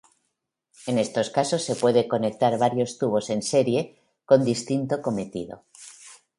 En estos casos se pueden conectar varios tubos en serie, con distinto cometido.